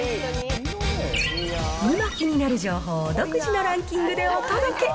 今気になる情報を独自のランキングでお届け。